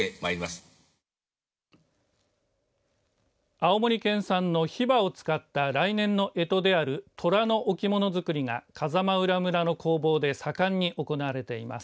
青森県産のヒバを使った来年のえとである虎の置物作りが風間浦村の工房で盛んに行われています。